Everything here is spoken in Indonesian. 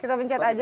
kita pencet aja